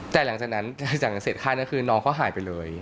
แต่หลังจากนั้นหลังจากเสร็จค่ายนั้นคือน้องเขาหายไปเลย